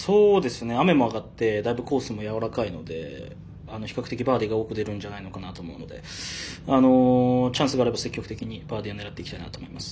雨も上がってだいぶ、コースもやわらかいので比較的バーディーが多く出るんじゃないかなと思うのでチャンスがあれば積極的にバーディーを狙っていきたいと思います。